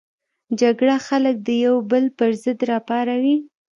جګړه خلک د یو بل پر ضد راپاروي